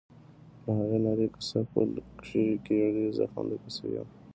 پر هغې نرۍ کوڅه پل کېږدۍ، زه هم درپسې یم.